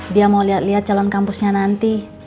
dia mau liat liat calon kampusnya nanti